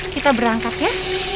kita berangkat ya